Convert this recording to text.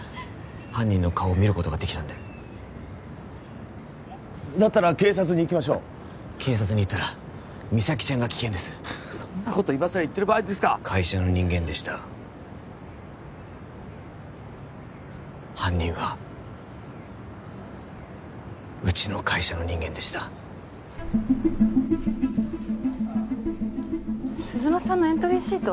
犯人の顔を見ることができたんでだったら警察に行きましょう警察に言ったら実咲ちゃんが危険ですそんなこと今さら言ってる場合ですか会社の人間でした犯人はうちの会社の人間でした鈴間さんのエントリーシート？